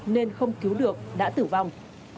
nên không cứu được đã tử vong